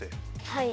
はい。